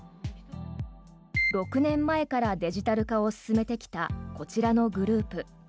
６年前からデジタル化を進めてきたこちらのグループ。